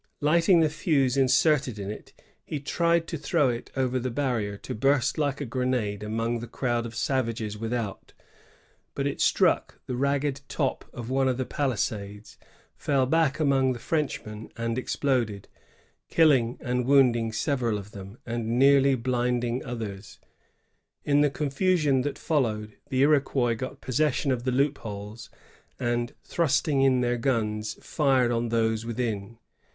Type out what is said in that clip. Lighting the fuse inserted in it, he tried to throw it over the barrier, to burst like a grenade among the crowd of savages without; but it struck the ragged top of one of the palisades, fell back among the Frenchmen and exploded, killing and wounding several of them, and nearly blinding others. In the confusion that fol lowed, the Iroquois got possession of the loopholes, and, thrusting in their guns, fired on those within.